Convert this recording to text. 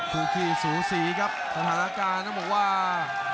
คู่ขี้สูสีครับสถานการณ์ต้องบอกว่า